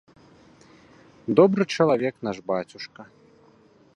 Добры чалавек наш бацюшка.